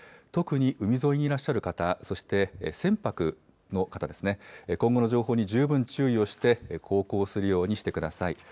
特に海沿いにいらっしゃる方、そして船舶の方ですね、今後の情報に十分注意をして航行するようにしてください。